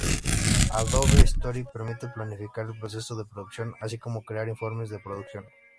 Adobe Story Permite planificar el proceso de producción, así como crear informes de producción.